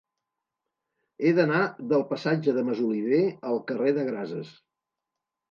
He d'anar del passatge de Masoliver al carrer de Grases.